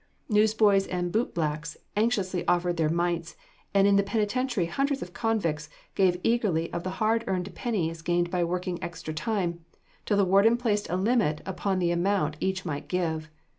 Newsboys and bootblacks anxiously offered their mites; and in the penitentiary hundreds of convicts gave eagerly of the hard earned pennies gained by working extra time, till the warden placed a limit upon the amount each might give.